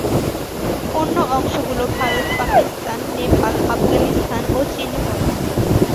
অন্য অংশগুলো ভারত, পাকিস্তান, নেপাল, আফগানিস্তান ও চীনে পড়ে।